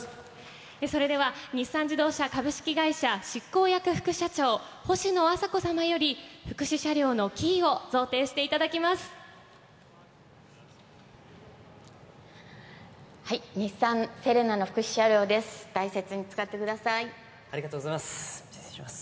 それでは、日産自動車株式会社執行役副社長、星野朝子様より福祉車両のキーを贈呈していただきます。